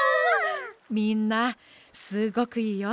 みんなすごくいいよ。